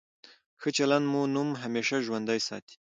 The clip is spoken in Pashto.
ښه چلند مو نوم همېشه ژوندی ساتي.